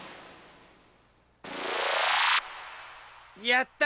やった！